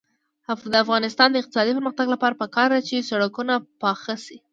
د افغانستان د اقتصادي پرمختګ لپاره پکار ده چې سړکونه پاخه شي.